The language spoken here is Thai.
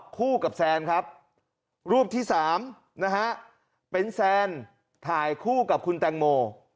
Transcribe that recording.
คู่กับแซนครับรูปที่๓นะฮะเป็นแซนถ่ายคู่กับคุณแตงโม